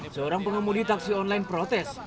seorang pengemudi taksi online protes